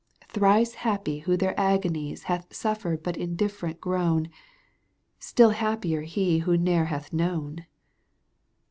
Thrice happy who their agonies Hath suffered but indiflFerent grown, Still happier he who ne'er hath known